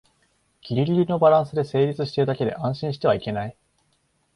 ギリギリのバランスで成立してるだけで安心してはいけない